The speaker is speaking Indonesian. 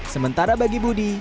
sementara bagi budi